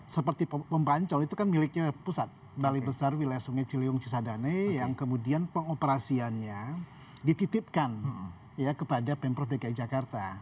seperti pembancol itu kan miliknya pusat balai besar wilayah sungai ciliwung cisadane yang kemudian pengoperasiannya dititipkan ya kepada pemprov dki jakarta